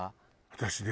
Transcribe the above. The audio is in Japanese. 私ね